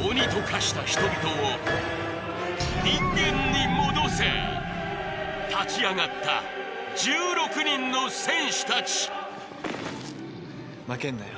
ううっ鬼と化した人々を人間に戻せ立ち上がった１６人の戦士達負けんなよ